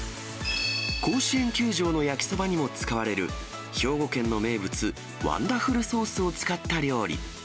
甲子園球場の焼きそばにも使われる、兵庫県の名物、ワンダフルソースを使った料理。